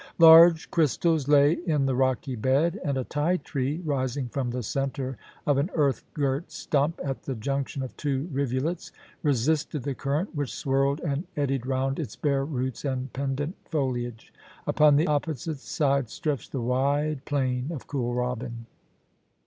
Large crystals lay in the rocky bed, and a ti tree, rising from the centre of an earth girt stump at the junction of two rivulets, resisted the current which swirled and eddied round its bare roots and pendent foliage. Upon the opposite side stretched the wide plain of Kooralbyn.